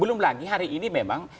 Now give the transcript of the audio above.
belum lagi hari ini memang